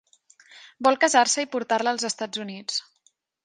Vol casar-se i portar-la als Estats Units.